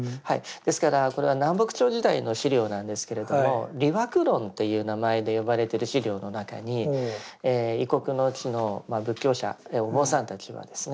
ですからこれは南北朝時代の資料なんですけれども「理惑論」っていう名前で呼ばれてる資料の中に異国の地の仏教者お坊さんたちはですね